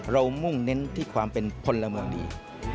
มุ่งเน้นที่ความเป็นพลเมืองดี